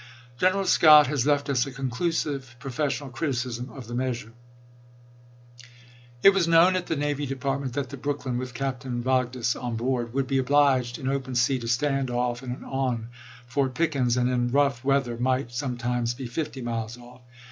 G eneral Scott has left us a conclusive professional criticism of the It was known at the Navy Department that the Brook lyn, with Captain Vogdes on board, would be obliged in open sea to stand off and on Fort Pickens, and in rough weather might sometimes be fifty miles off.